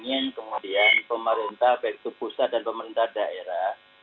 saya cuma ingin kemudian pemerintah baik itu pusat dan pemerintah daerah juga melakukan upaya upaya di dalam